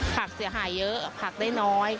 ผักเสียหายเยอะผักได้น้อย